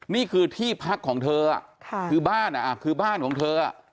นี่คือที่พักของเธอคือบ้านอ่ะคือบ้านของเธอ